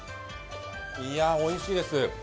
いやおいしいです。